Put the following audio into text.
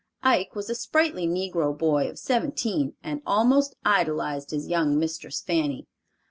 Ike was a sprightly negro boy of seventeen, and almost idolized his young mistress Fanny.